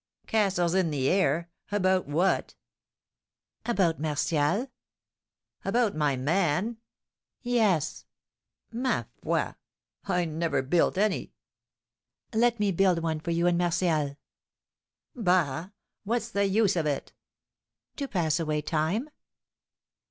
"Castles in the air! About what?" "About Martial." "About my man?" "Yes." "Ma foi! I never built any." "Let me build one for you and Martial." "Bah! What's the use of it?" "To pass away time."